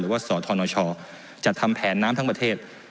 ว่าสธนชจัดทำแผนน้ำทั้งประเทศ